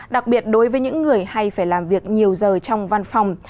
đặc biệt đối với những người hay phải làm việc nhiều giờ trong văn phòng